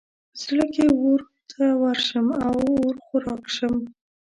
په زړه کې اور ته ورشم او اور خوراک شم.